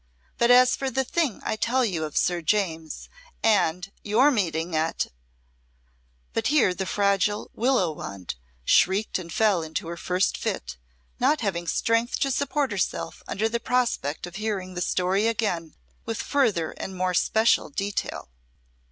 But as for the thing I tell you of Sir James and your meeting at " But here the fragile "Willow Wand" shrieked and fell into her first fit, not having strength to support herself under the prospect of hearing the story again with further and more special detail.